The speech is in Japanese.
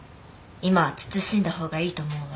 今は慎んだ方がいいと思うわ。